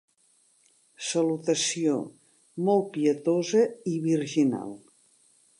Salutació molt pietosa i virginal.